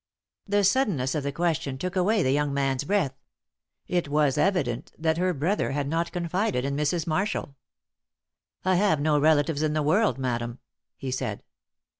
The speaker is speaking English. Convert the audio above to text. The suddenness of the question took away the young man's breath. It was evident that her brother had not confided in Mrs. Marshall. "I have no relatives in the world, madam," he said.